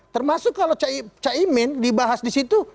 termasuk kalau caimin dibahas disitu